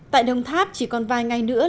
tại đồng tháp chỉ còn vài ngày nữa